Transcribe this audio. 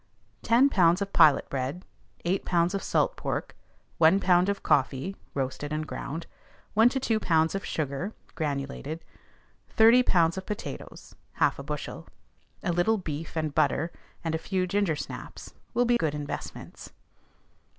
Ten pounds of pilot bread; eight pounds of salt pork; one pound of coffee (roasted and ground); one to two pounds of sugar (granulated); thirty pounds of potatoes (half a bushel). A little beef and butter, and a few ginger snaps, will be good investments.